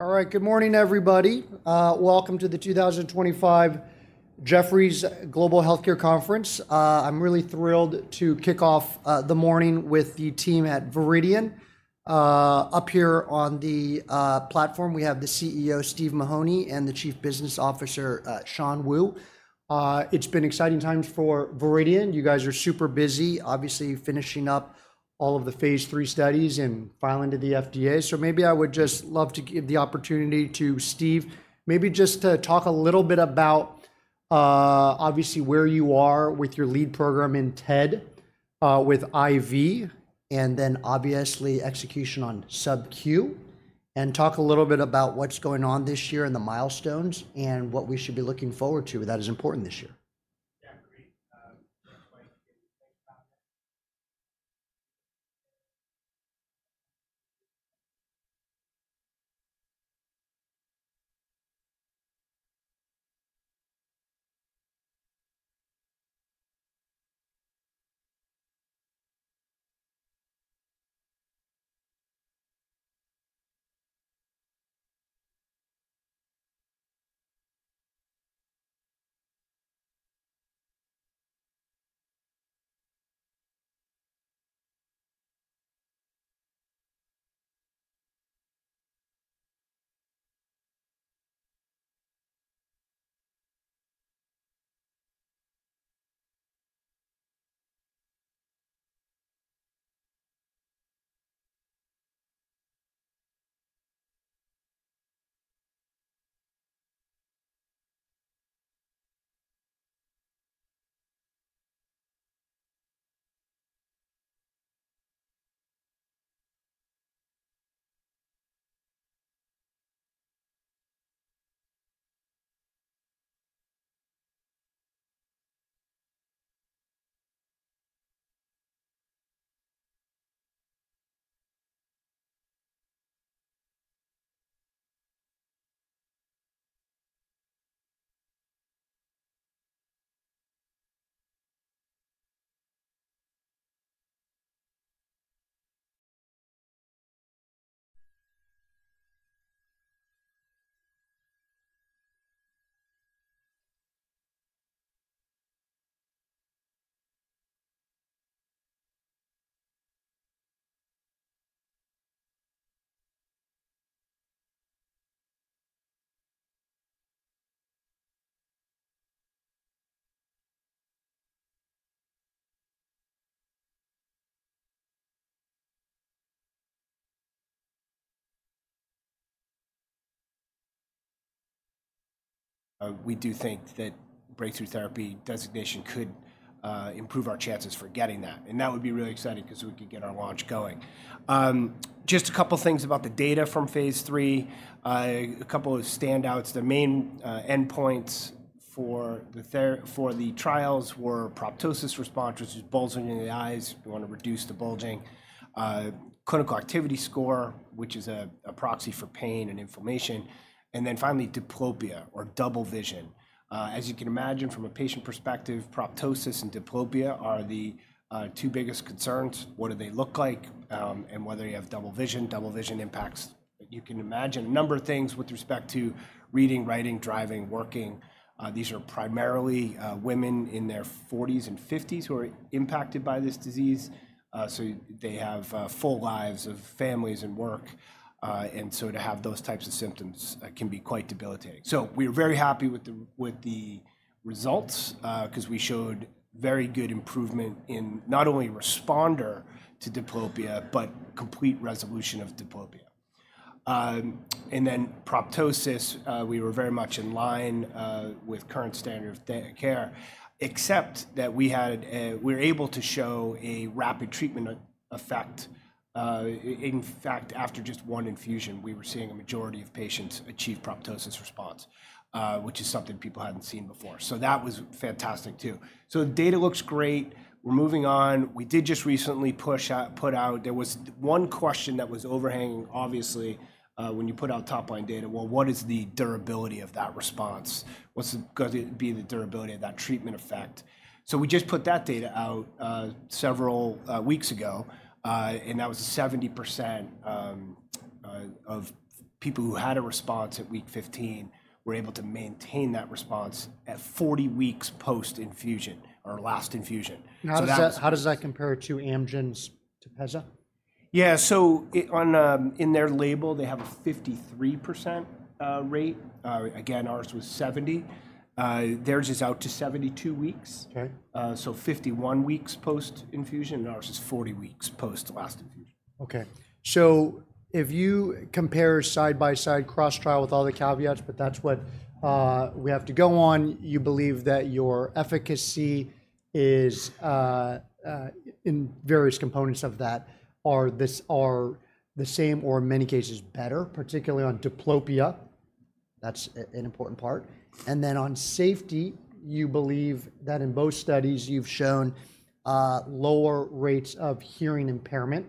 All right, good morning, everybody. Welcome to the 2025 Jefferies Global Healthcare Conference. I'm really thrilled to kick off the morning with the team at Viridian. Up here on the platform, we have the CEO, Steve Mahoney, and the Chief Business Officer, Shan Wu. It's been exciting times for Viridian. You guys are super busy, obviously finishing up all of the phase III studies and filing to the FDA. Maybe I would just love to give the opportunity to Steve, maybe just to talk a little bit about, obviously, where you are with your lead program in TED, with IV, and then obviously execution on SUBQ, and talk a little bit about what's going on this year and the milestones and what we should be looking forward to that is important this year. Yeah, great. We do think that Breakthrough Therapy designation could improve our chances for getting that. That would be really exciting because we could get our launch going. Just a couple of things about the data from phase III, a couple of standouts. The main endpoints for the trials were proptosis response, which is bulging in the eyes. We want to reduce the bulging. Clinical Activity Score, which is a proxy for pain and inflammation. Then finally, diplopia or double vision. As you can imagine, from a patient perspective, proptosis and diplopia are the two biggest concerns. What do they look like and whether you have double vision? Double vision impacts, you can imagine, a number of things with respect to reading, writing, driving, working. These are primarily women in their 40s and 50s who are impacted by this disease. They have full lives of families and work. To have those types of symptoms can be quite debilitating. We are very happy with the results because we showed very good improvement in not only responder to diplopia, but complete resolution of diplopia. Proptosis, we were very much in line with current standard of care, except that we were able to show a rapid treatment effect. In fact, after just one infusion, we were seeing a majority of patients achieve proptosis response, which is something people had not seen before. That was fantastic too. The data looks great. We are moving on. We did just recently put out there was one question that was overhanging, obviously, when you put out top-line data. What is the durability of that response? What is going to be the durability of that treatment effect? We just put that data out several weeks ago, and that was 70% of people who had a response at week 15 were able to maintain that response at 40 weeks post-infusion or last infusion. How does that compare to Amgen's TEPEZZA? Yeah, so in their label, they have a 53% rate. Again, ours was 70%. Theirs is out to 72 weeks. So 51 weeks post-infusion, and ours is 40 weeks post-last infusion. Okay. If you compare side-by-side cross-trial with all the caveats, but that's what we have to go on, you believe that your efficacy in various components of that are the same or in many cases better, particularly on diplopia. That's an important part. On safety, you believe that in both studies, you've shown lower rates of hearing impairment.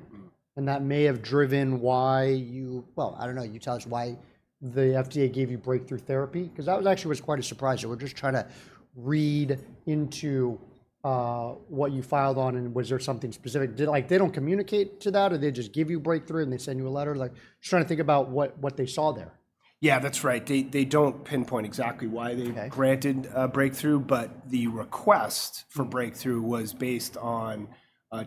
That may have driven why you, well, I don't know, you tell us why the FDA gave you Breakthrough Therapy because that actually was quite a surprise. They were just trying to read into what you filed on, and was there something specific? Did they not communicate to that, or they just give you Breakthrough and they send you a letter? I'm just trying to think about what they saw there. Yeah, that's right. They do not pinpoint exactly why they granted Breakthrough, but the request for Breakthrough was based on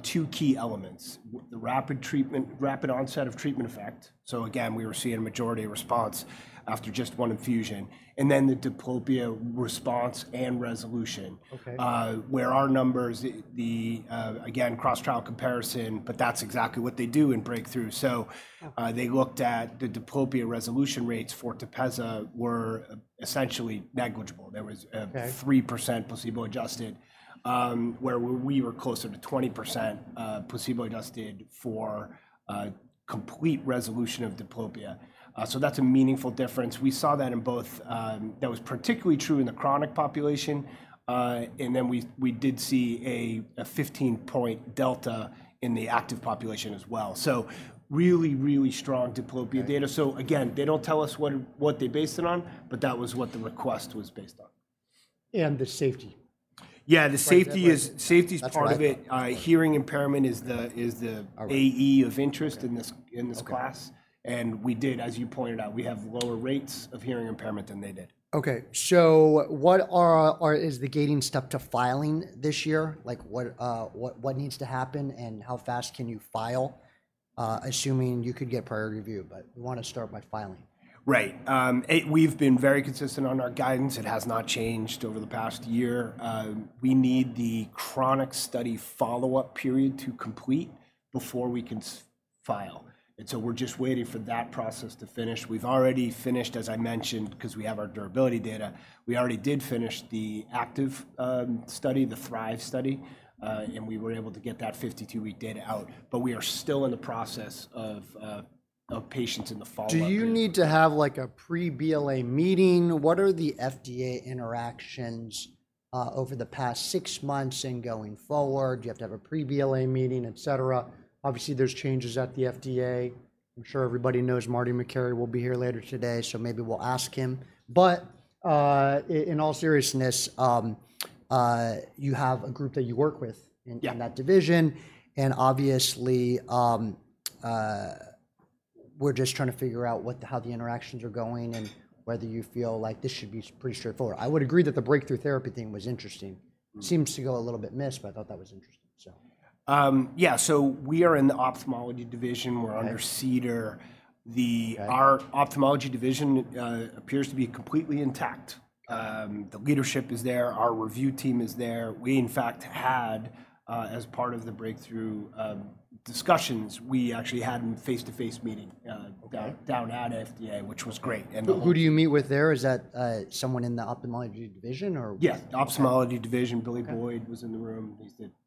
two key elements: the rapid onset of treatment effect. Again, we were seeing a majority response after just one infusion. The diplopia response and resolution, where our numbers, again, cross-trial comparison, but that is exactly what they do in Breakthrough. They looked at the diplopia resolution rates for TEPEZZA, which were essentially negligible. There was 3% placebo-adjusted, where we were closer to 20% placebo-adjusted for complete resolution of diplopia. That is a meaningful difference. We saw that in both. That was particularly true in the chronic population. We did see a 15-point delta in the active population as well. Really, really strong diplopia data. Again, they do not tell us what they based it on, but that was what the request was based on. The safety. Yeah, the safety is part of it. Hearing impairment is the AE of interest in this class. We did, as you pointed out, we have lower rates of hearing impairment than they did. Okay. What is the gating step to filing this year? What needs to happen and how fast can you file, assuming you could get priority review, but we want to start by filing. Right. We've been very consistent on our guidance. It has not changed over the past year. We need the chronic study follow-up period to complete before we can file. We are just waiting for that process to finish. We've already finished, as I mentioned, because we have our durability data. We already did finish the active study, the THRIVE study, and we were able to get that 52-week data out. We are still in the process of patients in the follow-up. Do you need to have a pre-BLA meeting? What are the FDA interactions over the past six months and going forward? Do you have to have a pre-BLA meeting, et cetera? Obviously, there are changes at the FDA. I'm sure everybody knows Marty McCarry will be here later today, so maybe we'll ask him. In all seriousness, you have a group that you work with in that division. Obviously, we're just trying to figure out how the interactions are going and whether you feel like this should be pretty straightforward. I would agree that the Breakthrough Therapy thing was interesting. Seems to go a little bit missed, but I thought that was interesting, so. Yeah, so we are in the ophthalmology division. We're under CDER. Our ophthalmology division appears to be completely intact. The leadership is there. Our review team is there. We, in fact, had, as part of the Breakthrough discussions, we actually had a face-to-face meeting down at FDA, which was great. Who do you meet with there? Is that someone in the ophthalmology division or? Yeah, ophthalmology division. Billy Boyd was in the room.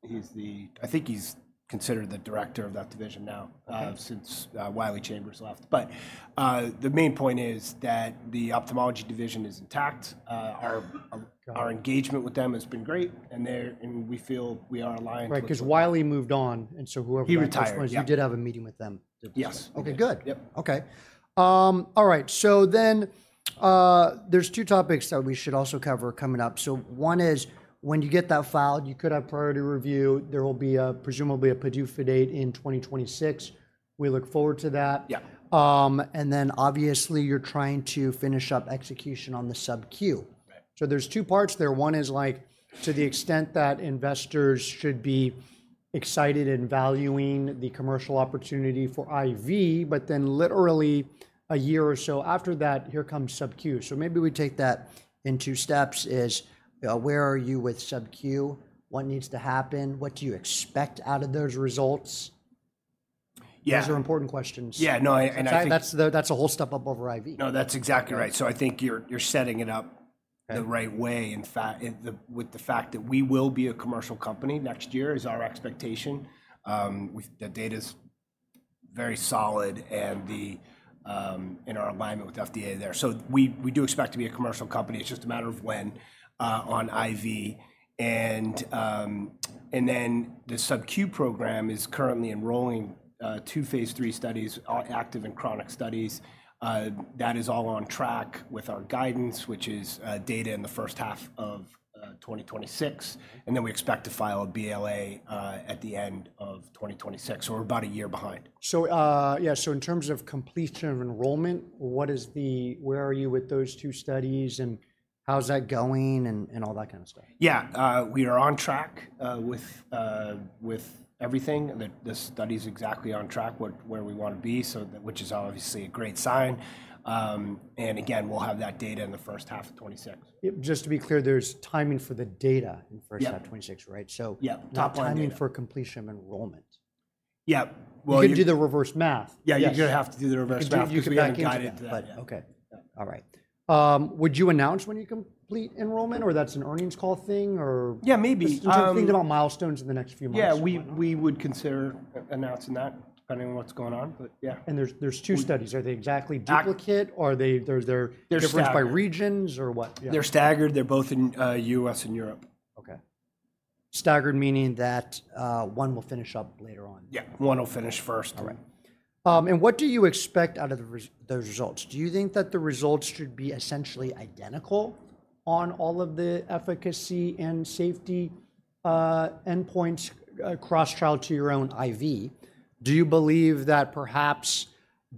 He's the, I think he's considered the Director of that division now since Wiley Chambers left. The main point is that the ophthalmology division is intact. Our engagement with them has been great, and we feel we are aligned. Right, because Wiley moved on, and so whoever has responsibilities, you did have a meeting with them. Yes. Okay, good. Okay. All right. There are two topics that we should also cover coming up. One is when you get that filed, you could have priority review. There will be presumably a PDUFA date in 2026. We look forward to that. Obviously, you're trying to finish up execution on the SUBQ. There are two parts there. One is to the extent that investors should be excited and valuing the commercial opportunity for IV, but then literally a year or so after that, here comes SUBQ. Maybe we take that in two steps. Where are you with SUBQ? What needs to happen? What do you expect out of those results? Those are important questions. Yeah, no, and I think. That's a whole step up over IV. No, that's exactly right. I think you're setting it up the right way. In fact, with the fact that we will be a commercial company next year is our expectation. The data is very solid and in our alignment with FDA there. We do expect to be a commercial company. It's just a matter of when on IV. The SUBQ program is currently enrolling two phase III studies, active and chronic studies. That is all on track with our guidance, which is data in the first half of 2026. We expect to file a BLA at the end of 2026. We're about a year behind. Yeah, in terms of completion of enrollment, where are you with those two studies and how's that going and all that kind of stuff? Yeah, we are on track with everything. The study is exactly on track where we want to be, which is obviously a great sign. We will have that data in the first half of 2026. Just to be clear, there's timing for the data in the first half of 2026, right? So top lining for completion of enrollment. Yeah. You can do the reverse math. Yeah, you're going to have to do the reverse math. You could be unguided, but okay. All right. Would you announce when you complete enrollment or that's an earnings call thing or? Yeah, maybe. Just thinking about milestones in the next few months. Yeah, we would consider announcing that depending on what's going on, but yeah. Are there two studies? Are they exactly duplicate or are there differences by regions or what? They're staggered. They're both in the U.S. and Europe. Okay. Staggered meaning that one will finish up later on. Yeah, one will finish first. All right. What do you expect out of those results? Do you think that the results should be essentially identical on all of the efficacy and safety endpoints cross-trial to your own IV? Do you believe that perhaps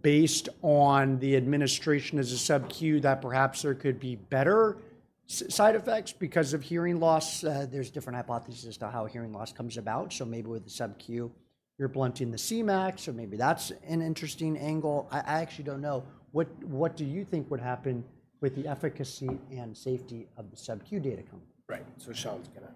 based on the administration as a SUBQ, that perhaps there could be better side effects because of hearing loss? There are different hypotheses as to how hearing loss comes about. Maybe with the SUBQ, you're blunting the CMAC, so maybe that's an interesting angle. I actually don't know. What do you think would happen with the efficacy and safety of the SUBQ data? Right. So Shan's going to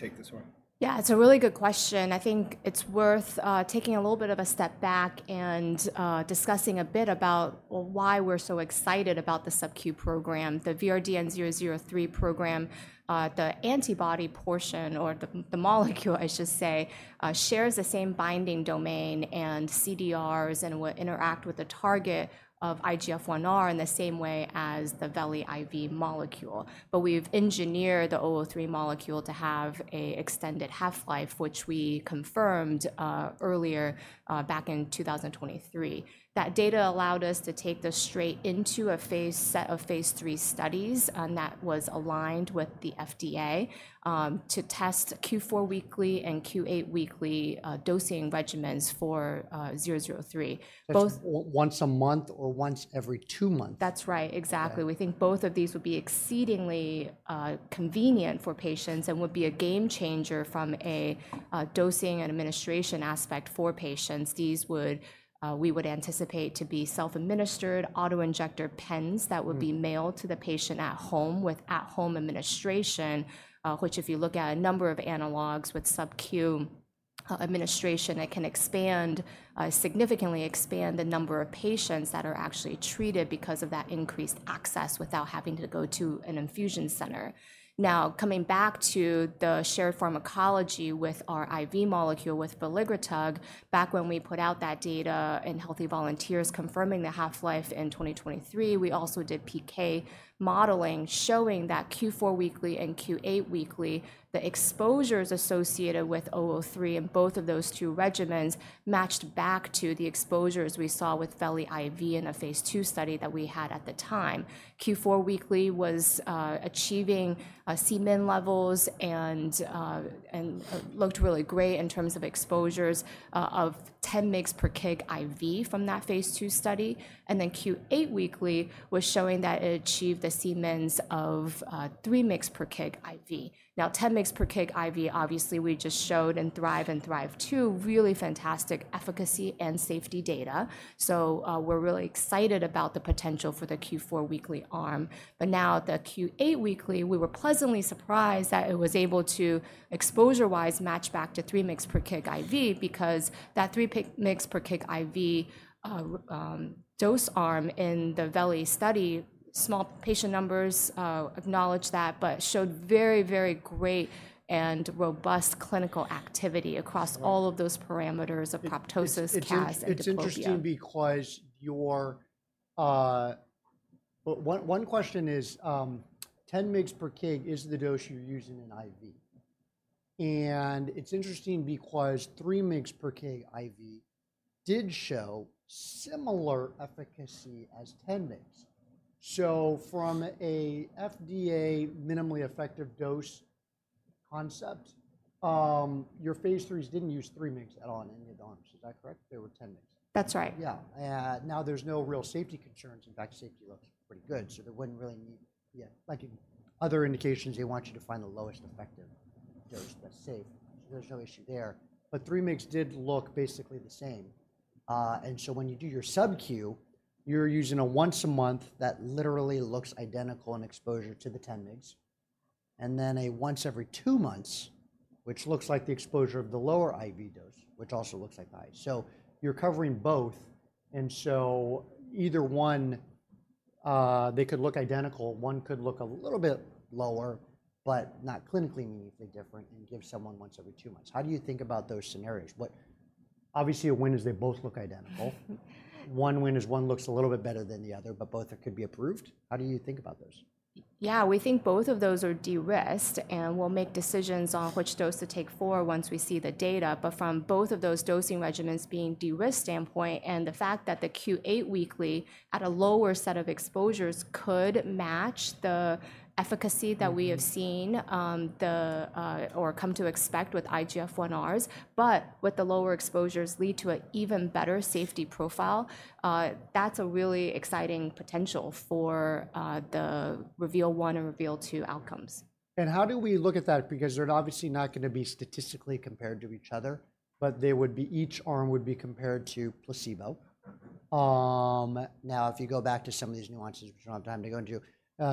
take this one. Yeah, it's a really good question. I think it's worth taking a little bit of a step back and discussing a bit about why we're so excited about the SUBQ program. The VRDN-003 program, the antibody portion or the molecule, I should say, shares the same binding domain and CDRs and will interact with the target of IGF1R in the same way as the Veligrotug IV molecule. We've engineered the 003 molecule to have an extended half-life, which we confirmed earlier back in 2023. That data allowed us to take this straight into a set of phase III studies, and that was aligned with the FDA to test Q4 weekly and Q8 weekly dosing regimens for 003. Once a month or once every two months? That's right. Exactly. We think both of these would be exceedingly convenient for patients and would be a game changer from a dosing and administration aspect for patients. These would, we would anticipate, be self-administered autoinjector pens that would be mailed to the patient at home with at-home administration, which if you look at a number of analogs with SUBQ administration, it can significantly expand the number of patients that are actually treated because of that increased access without having to go to an infusion center. Now, coming back to the shared pharmacology with our IV molecule with veligrotug, back when we put out that data in healthy volunteers confirming the half-life in 2023, we also did PK modeling showing that Q4 weekly and Q8 weekly, the exposures associated with 003 in both of those two regimens matched back to the exposures we saw with VELI IV in a phase II study that we had at the time. Q4 weekly was achieving CMIN levels and looked really great in terms of exposures of 10 mg per kg IV from that phase II study. Q8 weekly was showing that it achieved the CMINs of 3 mg per kg IV. Now, 10 mg per kg IV, obviously we just showed in THRIVE and THRIVE-2 really fantastic efficacy and safety data. We're really excited about the potential for the Q4 weekly arm. Now the Q8 weekly, we were pleasantly surprised that it was able to, exposure-wise, match back to 3 mg per kg IV because that 3 mg per kg IV dose arm in the VELI study, small patient numbers, acknowledge that, but showed very, very great and robust clinical activity across all of those parameters of proptosis, CAS, and depression. It's interesting because your, one question is 10 mg per kg is the dose you're using in IV. And it's interesting because 3 mg per kg IV did show similar efficacy as 10 mg. So from an FDA minimally effective dose concept, your phase IIIs didn't use 3 mg at all in any of the arms. Is that correct? They were 10 mg. That's right. Yeah. Now there's no real safety concerns. In fact, safety looks pretty good. There wouldn't really need, like other indications, they want you to find the lowest effective dose that's safe. There's no issue there. Three mgs did look basically the same. When you do your SUBQ, you're using a once a month that literally looks identical in exposure to the 10 mgs. Then a once every two months, which looks like the exposure of the lower IV dose, which also looks like the highest. You're covering both. Either one, they could look identical. One could look a little bit lower, but not clinically meaningfully different and give someone once every two months. How do you think about those scenarios? Obviously a win is they both look identical. One win is one looks a little bit better than the other, but both could be approved. How do you think about those? Yeah, we think both of those are de-risked and we'll make decisions on which dose to take for once we see the data. From both of those dosing regimens being de-risked standpoint and the fact that the Q8 weekly at a lower set of exposures could match the efficacy that we have seen or come to expect with IGF1Rs, but with the lower exposures lead to an even better safety profile. That's a really exciting potential for the REVEAL-1 and REVEAL-2 outcomes. How do we look at that? Because they're obviously not going to be statistically compared to each other, but they would be, each arm would be compared to placebo. Now, if you go back to some of these nuances, which I don't have time to go into,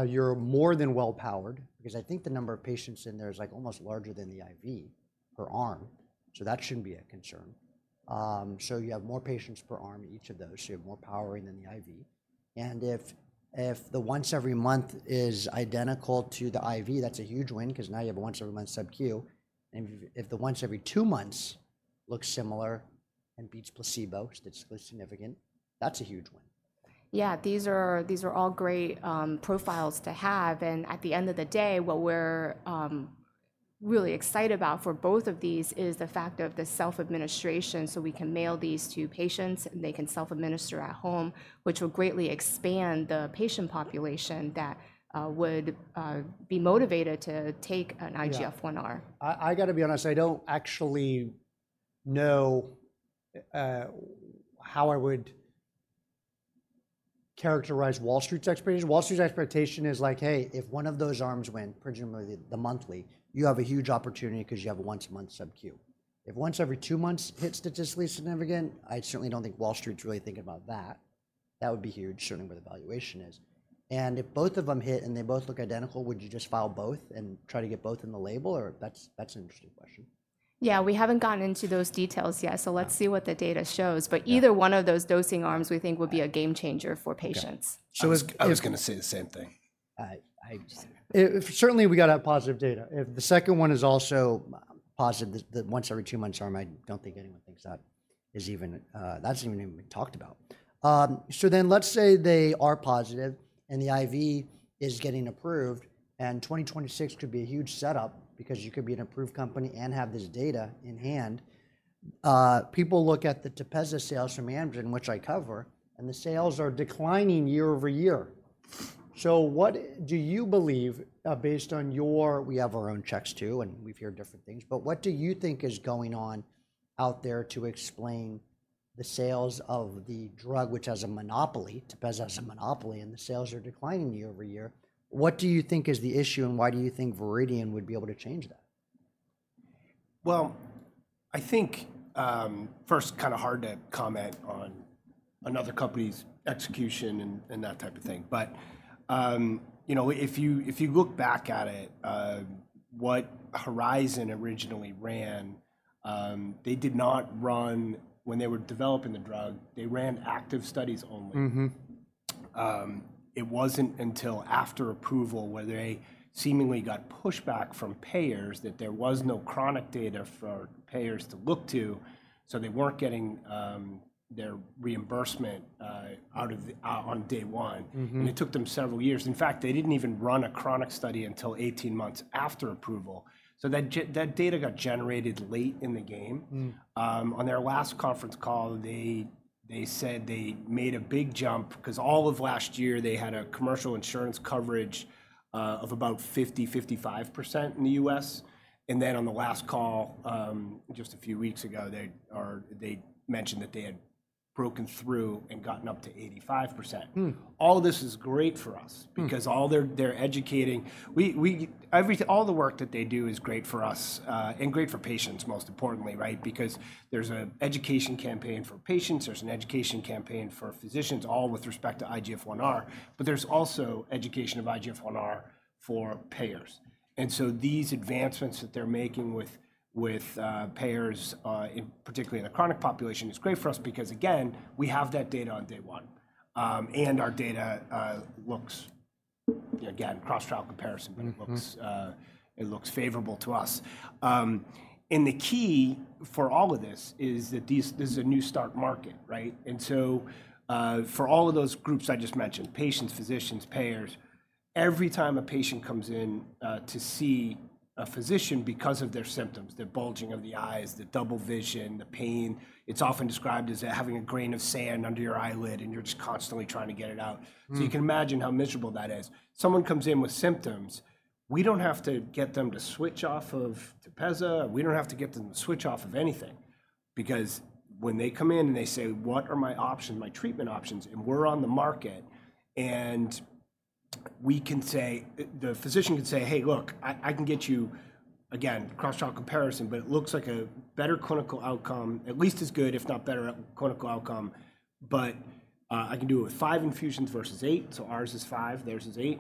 you're more than well powered because I think the number of patients in there is like almost larger than the IV per arm. That shouldn't be a concern. You have more patients per arm each of those. You have more powering than the IV. If the once every month is identical to the IV, that's a huge win because now you have a once every month SUBQ. If the once every two months looks similar and beats placebo statistically significant, that's a huge win. Yeah, these are all great profiles to have. At the end of the day, what we're really excited about for both of these is the fact of the self-administration. We can mail these to patients and they can self-administer at home, which will greatly expand the patient population that would be motivated to take an IGF1R. I got to be honest, I don't actually know how I would characterize Wall Street's expectation. Wall Street's expectation is like, hey, if one of those arms win, presumably the monthly, you have a huge opportunity because you have a once a month SUBQ. If once every two months hits statistically significant, I certainly don't think Wall Street's really thinking about that. That would be huge, certainly where the valuation is. If both of them hit and they both look identical, would you just file both and try to get both in the label? Or that's an interesting question. Yeah, we haven't gotten into those details yet. Let's see what the data shows. Either one of those dosing arms we think would be a game changer for patients. I was going to say the same thing. Certainly we got to have positive data. If the second one is also positive, the once every two months arm, I do not think anyone thinks that is even, that is even talked about. Let's say they are positive and the IV is getting approved and 2026 could be a huge setup because you could be an approved company and have this data in hand. People look at the TEPEZZA sales from Amgen, which I cover, and the sales are declining year-over-year. What do you believe based on your, we have our own checks too and we have heard different things, but what do you think is going on out there to explain the sales of the drug, which has a monopoly, TEPEZZA has a monopoly and the sales are declining year-over-year? What do you think is the issue and why do you think Viridian would be able to change that? I think first, kind of hard to comment on another company's execution and that type of thing. You know, if you look back at it, what Horizon originally ran, they did not run, when they were developing the drug, they ran active studies only. It was not until after approval where they seemingly got pushback from payers that there was no chronic data for payers to look to. They were not getting their reimbursement out of on day one. It took them several years. In fact, they did not even run a chronic study until 18 months after approval. That data got generated late in the game. On their last conference call, they said they made a big jump because all of last year they had a commercial insurance coverage of about 50%-55% in the U.S. On the last call just a few weeks ago, they mentioned that they had broken through and gotten up to 85%. All of this is great for us because all they're educating, all the work that they do is great for us and great for patients most importantly, right? There is an education campaign for patients, there is an education campaign for physicians, all with respect to IGF1R, but there is also education of IGF1R for payers. These advancements that they're making with payers, particularly in the chronic population, are great for us because again, we have that data on day one. Our data looks, again, cross-trial comparison, but it looks favorable to us. The key for all of this is that this is a new start market, right? For all of those groups I just mentioned, patients, physicians, payers, every time a patient comes in to see a physician because of their symptoms, the bulging of the eyes, the double vision, the pain, it's often described as having a grain of sand under your eyelid and you're just constantly trying to get it out. You can imagine how miserable that is. Someone comes in with symptoms, we don't have to get them to switch off of TEPEZZA. We don't have to get them to switch off of anything because when they come in and they say, what are my options, my treatment options, and we're on the market and we can say, the physician can say, hey, look, I can get you again, cross-trial comparison, but it looks like a better clinical outcome, at least as good, if not better clinical outcome, but I can do it with five infusions versus eight. So ours is five, theirs is eight.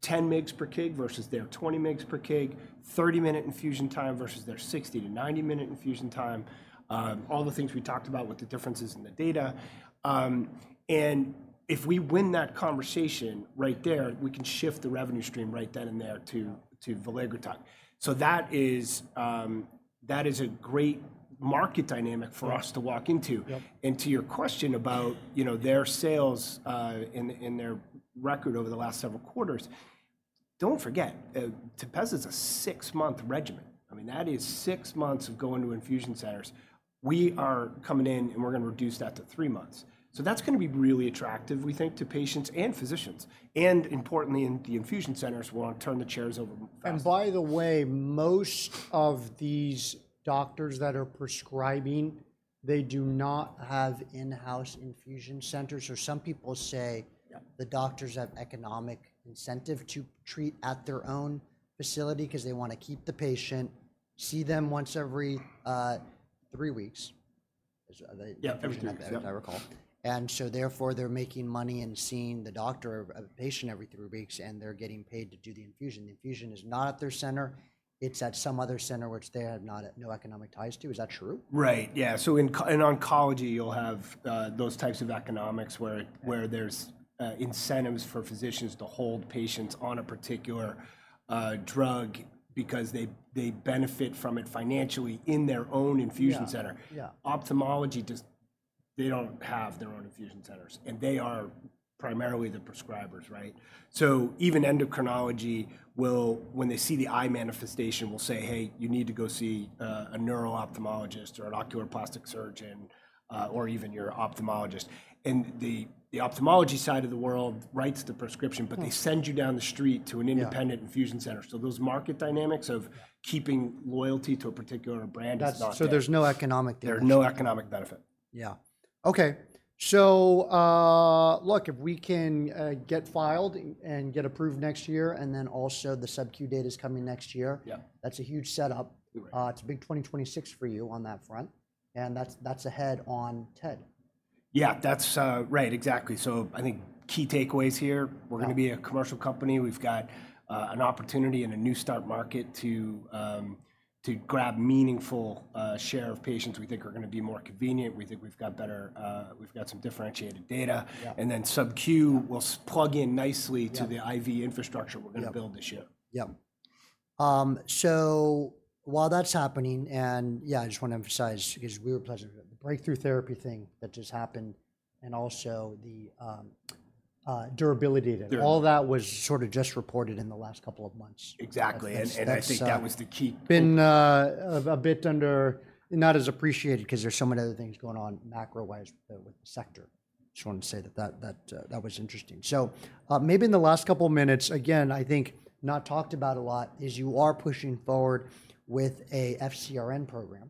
10 mg per kg versus their 20 mg per kg, 30-minute infusion time versus their 60-90-minute infusion time. All the things we talked about with the differences in the data. If we win that conversation right there, we can shift the revenue stream right then and there to veligrotug. That is a great market dynamic for us to walk into. To your question about their sales in their record over the last several quarters, do not forget, TEPEZZA is a six-month regimen. I mean, that is six months of going to infusion centers. We are coming in and we are going to reduce that to three months. That is going to be really attractive, we think, to patients and physicians. Importantly, in the infusion centers, we will turn the chairs over. By the way, most of these doctors that are prescribing, they do not have in-house infusion centers. Some people say the doctors have economic incentive to treat at their own facility because they want to keep the patient, see them once every three weeks. Yeah, every three weeks, I recall. Therefore they're making money and seeing the doctor or the patient every three weeks and they're getting paid to do the infusion. The infusion is not at their center. It's at some other center, which they have no economic ties to. Is that true? Right. Yeah. In oncology, you'll have those types of economics where there's incentives for physicians to hold patients on a particular drug because they benefit from it financially in their own infusion center. Ophthalmology, they do not have their own infusion centers and they are primarily the prescribers, right? Even endocrinology, when they see the eye manifestation, will say, hey, you need to go see a neuro-ophthalmologist or an oculoplastic surgeon or even your ophthalmologist. The ophthalmology side of the world writes the prescription, but they send you down the street to an independent infusion center. Those market dynamics of keeping loyalty to a particular brand is not. There's no economic there. There's no economic benefit. Yeah. Okay. So look, if we can get filed and get approved next year and then also the SUBQ data is coming next year, that's a huge setup. It's a big 2026 for you on that front. And that's ahead on TED. Yeah, that's right. Exactly. I think key takeaways here, we're going to be a commercial company. We've got an opportunity in a new start market to grab meaningful share of patients. We think we're going to be more convenient. We think we've got better, we've got some differentiated data. SUBQ will plug in nicely to the IV infrastructure we're going to build this year. Yeah. While that's happening, and yeah, I just want to emphasize because we were pleasantly at the Breakthrough Therapy thing that just happened and also the durability of it. All that was sort of just reported in the last couple of months. Exactly. I think that was the key. It's been a bit under, not as appreciated because there's so many other things going on macro-wise with the sector. Just wanted to say that that was interesting. Maybe in the last couple of minutes, again, I think not talked about a lot is you are pushing forward with an FcRn program.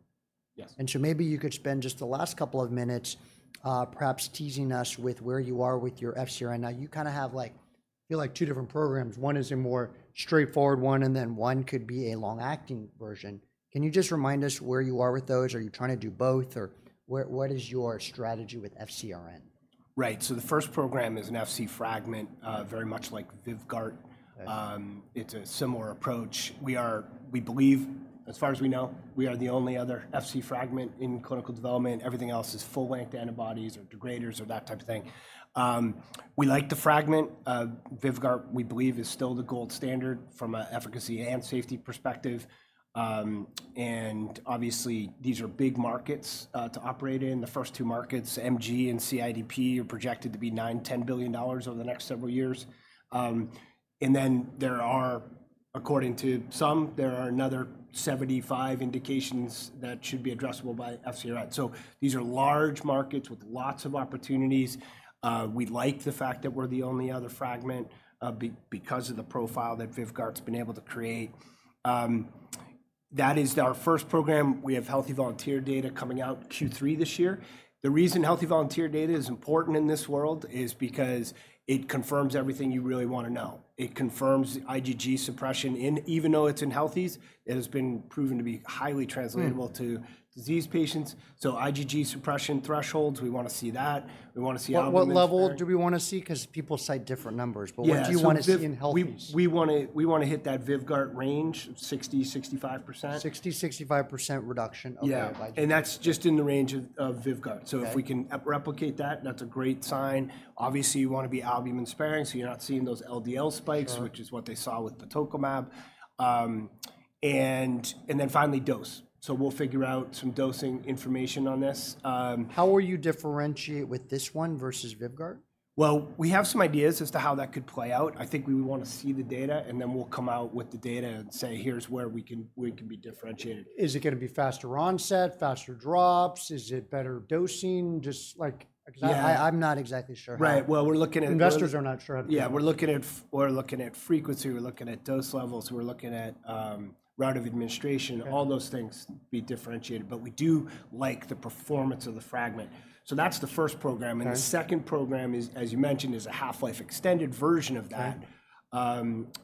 Maybe you could spend just the last couple of minutes perhaps teasing us with where you are with your FcRn. Now you kind of have like two different programs. One is a more straightforward one and then one could be a long-acting version. Can you just remind us where you are with those? Are you trying to do both or what is your strategy with FcRn? Right. The first program is an Fc fragment, very much like Vyvgart. It's a similar approach. We believe, as far as we know, we are the only other Fc fragment in clinical development. Everything else is full-length antibodies or degraders or that type of thing. We like the fragment. Vyvgart, we believe, is still the gold standard from an efficacy and safety perspective. Obviously, these are big markets to operate in. The first two markets, MG and CIDP, are projected to be $9 billion-$10 billion over the next several years. According to some, there are another 75 indications that should be addressable by FcRn. These are large markets with lots of opportunities. We like the fact that we're the only other fragment because of the profile that Vyvgart's been able to create. That is our first program. We have healthy volunteer data coming out Q3 this year. The reason healthy volunteer data is important in this world is because it confirms everything you really want to know. It confirms IgG suppression in, even though it's in healthies, it has been proven to be highly translatable to disease patients. So IgG suppression thresholds, we want to see that. We want to see how. What level do we want to see? Because people cite different numbers. What do you want to see in healthy? We want to hit that Vyvgart range of 60%-65%. 60%-65% reduction of antibodies. Yeah. And that's just in the range of Vyvgart. If we can replicate that, that's a great sign. Obviously, you want to be albumin sparing, so you're not seeing those LDL spikes, which is what they saw with the tokamab. Finally, dose. We'll figure out some dosing information on this. How will you differentiate with this one versus Vyvgart? We have some ideas as to how that could play out. I think we want to see the data and then we'll come out with the data and say, here's where we can be differentiated. Is it going to be faster onset, faster drops? Is it better dosing? Just like. Yeah. I'm not exactly sure. Right. We're looking at. Investors are not sure. Yeah. We're looking at frequency. We're looking at dose levels. We're looking at route of administration. All those things be differentiated. But we do like the performance of the fragment. So that's the first program. And the second program is, as you mentioned, is a half-life extended version of that.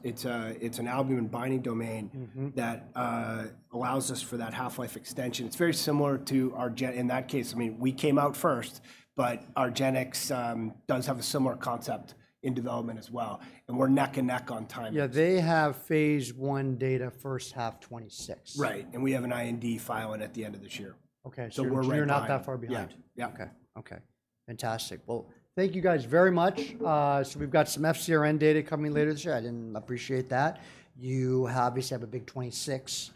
It's an albumin binding domain that allows us for that half-life extension. It's very similar to Argenx in that case, I mean, we came out first, but Argenx does have a similar concept in development as well. And we're neck and neck on time. Yeah. They have phase I data, first half 2026. Right. We have an IND filing at the end of this year. Okay. So you're not that far behind. Yeah. Yeah. Okay. Okay. Fantastic. Thank you guys very much. We've got some FcRn data coming later this year. I did not appreciate that. You obviously have a big 2026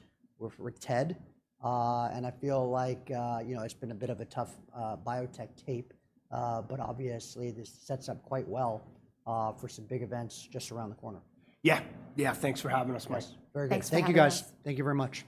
with TED. I feel like it has been a bit of a tough biotech tape, but obviously this sets up quite well for some big events just around the corner. Yeah. Yeah. Thanks for having us, Mike. Thank you, guys. Thank you very much.